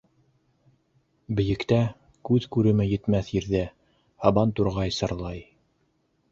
Бейектә - күҙ күреме етмәҫ ерҙә - һабантурғай сырлай.